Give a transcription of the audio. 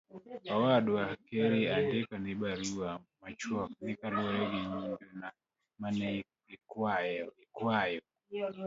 owadwa Kheri, andiko ni barua machuok ni kaluwore gi nyundona manene ikwayo